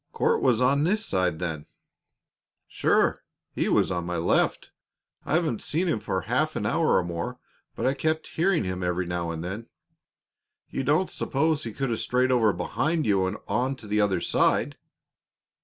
"Court was on this side then." "Sure! He was on my left. I haven't seen him for half an hour or more, but I kept hearing him every now and then. You don't suppose he could have strayed over behind you and to the other side?"